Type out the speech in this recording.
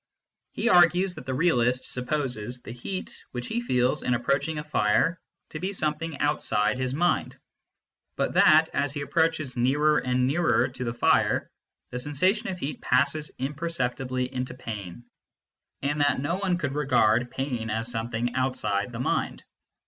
He argues that the realist supposes the heat which he feels in approaching a fire to be something outside his mind, but that as he approaches nearer and nearer to the fire the sensation of heat passes imper ceptibly into pain, and that no one could regard pain as something outside the mind.